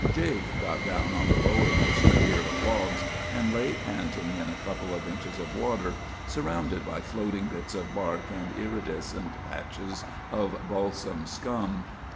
Jake got down on the lowermost tier of logs, and lay panting in a couple of inches of water, surrounded by floating bits of bark and iridescent patches of balsam scum.